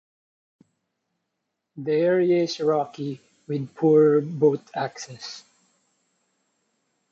The area is rocky with poor boat access.